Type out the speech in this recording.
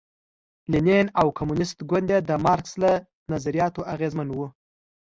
لینین او کمونېست ګوند یې د مارکس له نظریاتو اغېزمن و.